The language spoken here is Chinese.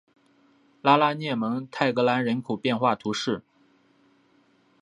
拉拉涅蒙泰格兰人口变化图示